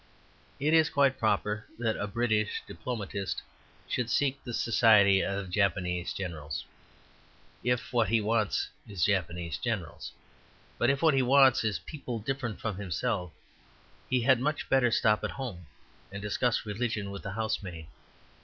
It is quite proper that a British diplomatist should seek the society of Japanese generals, if what he wants is Japanese generals. But if what he wants is people different from himself, he had much better stop at home and discuss religion with the housemaid.